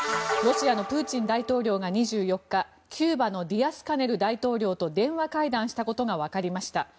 ロシアのプーチン大統領が２４日キューバのディアスカネル大統領と電話会談したことがわかりました。